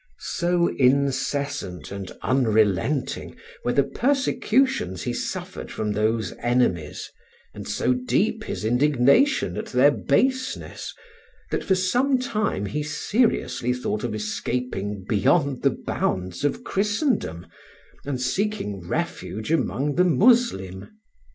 So incessant and unrelenting were the persecutions he suffered from those enemies, and so deep his indignation at their baseness, that for some time he seriously thought of escaping beyond the bounds of Christendom, and seeking refuge among the Muslim.